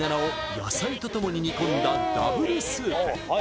野菜とともに煮込んだＷスープ